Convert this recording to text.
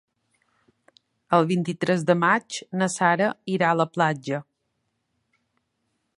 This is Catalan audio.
El vint-i-tres de maig na Sara irà a la platja.